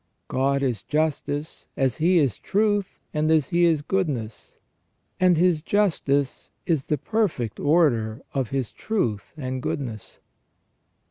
God is justice as He is truth, and as He is goodness, and His justice is the perfect order of His truth and goodness.